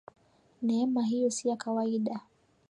Neema hiyo si ya kawaida.